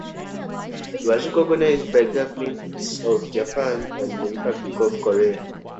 He was recognized by the governments of Japan and the Republic of Korea.